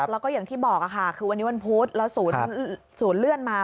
แล้วก็อย่างที่บอกค่ะคือวันนี้วันพุธแล้วศูนย์เลื่อนมา